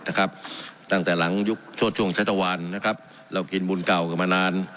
ตั้งแต่หลังช่วงชะตะวันเรากินบุญเก่าเกือบมานาน